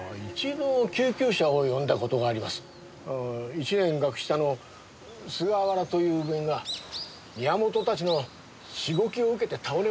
１年学下の菅原という部員が宮本たちのしごきを受けて倒れましてね。